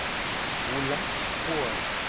Wo la ci kpo a?